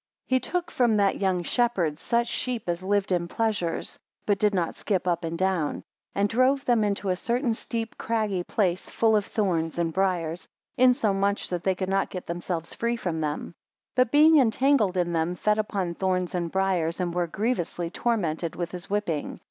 17 He took from that young shepherd such sheep as lived in pleasures, but did not skip up and down; and drove them into a certain steep craggy place fall of thorns and briars, insomuch that they could not get themselves free from them: 18 But being entangled in them, fed upon thorns and briars, and were grievously tormented with his whipping.